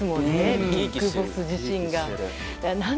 ビッグボス自身が。